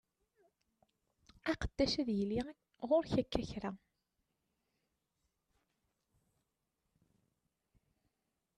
Aqeddac ad yili ɣur-k akka kra.